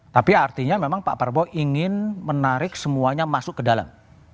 tapi artinya memang pak prabowo ingin menarik semuanya masuk ke dalam